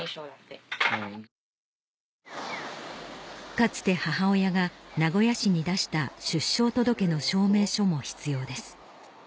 かつて母親が名古屋市に出した出生届の証明書も必要です